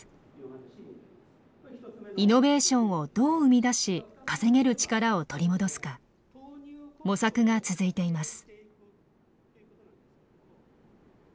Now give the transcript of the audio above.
イノベーションをどう生み出し稼げる力を取り戻すか模索が続いています。